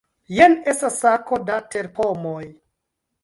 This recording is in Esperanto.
Jen estas sako da terpomoj.